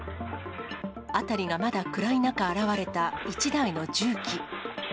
辺りがまだ暗い中、現れた１台の重機。